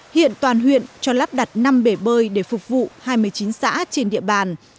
hiện toàn huyện cho lắp đặt năm bể bơi để phục vụ hai mươi chín xã trên địa bàn